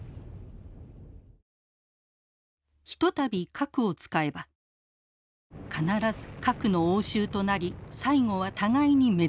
一たび核を使えば必ず核の応酬となり最後は互いに滅亡する。